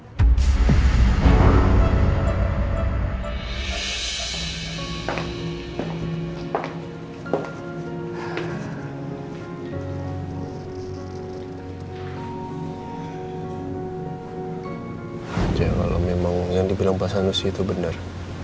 aja ya allah memang yang dibilang pasal nusri itu bener